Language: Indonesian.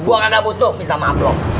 gak gua gak butuh minta maaf lo